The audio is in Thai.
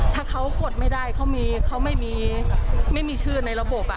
ถ้าเขากดไม่ได้เขามีเขาไม่มีชื่อในระบบ